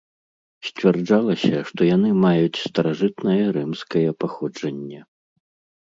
Сцвярджалася, што яны маюць старажытнае рымскае паходжанне.